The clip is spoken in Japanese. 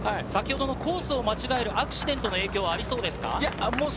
コースを間違えるアクシデントの影響はありそうですか？